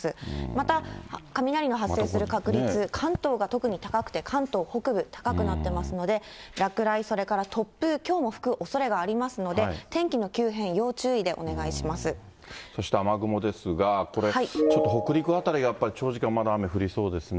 また雷の発生する確率、関東が特に高くて、関東北部、高くなっていますので、落雷、それから突風、きょうも吹くおそれがありますので、天気の急変、要注意でお願いそして雨雲ですが、これ、ちょっと北陸辺りやっぱり長時間、雨降りそうですね。